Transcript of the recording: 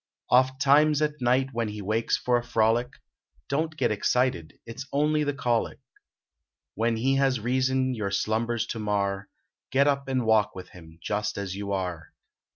Ofttimes at night when he wakes for a frolic, Don t get excited it s only the colic ; When he has reason your slumbers to mar, Get up and walk with him, just as you are.